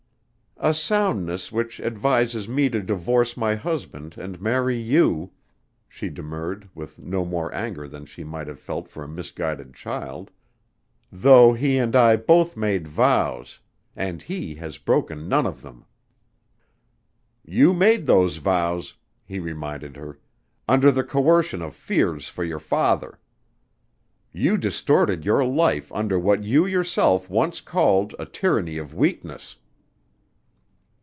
"A soundness which advises me to divorce my husband and marry you," she demurred with no more anger than she might have felt for a misguided child, "though he and I both made vows and he has broken none of them." "You made those vows," he reminded her, "under the coercion of fears for your father. You distorted your life under what you yourself once called a tyranny of weakness."